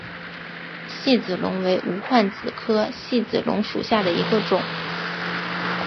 细子龙为无患子科细子龙属下的一个种。